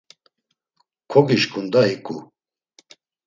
Kogişǩun da hiǩu?